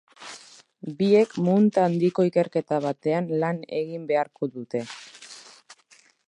Biek munta handiko ikerketa batean lan egin beharko dute.